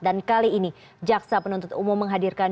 dan kali ini jaksa penuntut umum menghadirkan